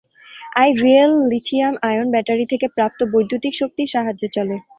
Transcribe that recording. I-real lithium ion battery থেকে প্রাপ্ত বৈদ্যুতিক শক্তির সাহায্যে চলে।